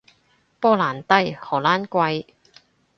波蘭低，荷蘭貴